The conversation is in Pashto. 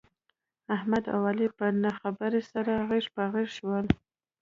احمد او علي په نه خبره سره غېږ په غېږ شول.